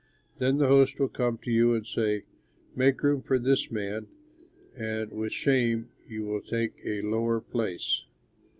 Then the host will come to you and say, 'Make room for this man,' and with shame you will take the lowest place.